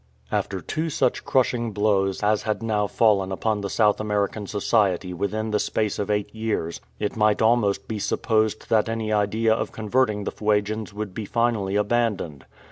After two such crushing blows as had now fallen upon the South American Society within the space of eight years, it might almost be supposed that any idea of converting the Fuegians would be finally abandoned.